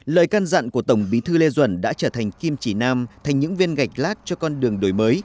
lời can dặn của tổng bí thư lê duẩn đã trở thành kim chỉ nam thành những viên gạch lát cho con đường đổi mới